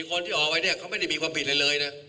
คนที่ออกไปเขาไม่มีความผิดเลย